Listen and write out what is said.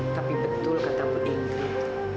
tapi betul kata bu ingrid